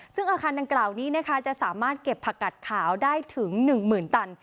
ซึ่งอาคารดังกล่าวนี้นะคะจะสามารถเก็บผักกัดขาวได้ถึง๑๐๐๐ตัน